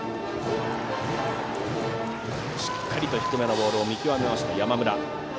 しっかり低めのボールを見極めた山村。